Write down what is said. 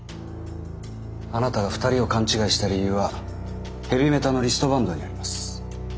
あなたが２人を勘違いした理由はヘビメタのリストバンドにあります。